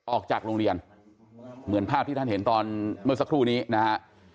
ออกจากโรงเรียนเหมือนภาพที่ท่านเห็นตอนเมื่อสักครู่นี้นะฮะ